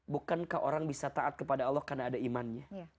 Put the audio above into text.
bukankah orang bisa taat kepada allah karena ada imannya